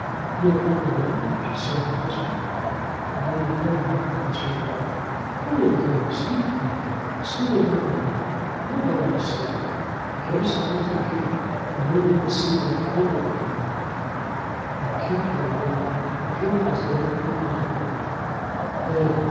"You are coming on?" she said in a whisper. "I am afraid not," answered Mary. "Oh, yes; do come. Slip away with me. Nobody'll see you. Get as far as the gate, and then you can see that covert drawn." "I can't very well. The truth is, they don't want me to hunt." "They!